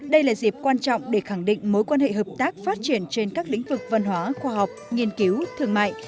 đây là dịp quan trọng để khẳng định mối quan hệ hợp tác phát triển trên các lĩnh vực văn hóa khoa học nghiên cứu thương mại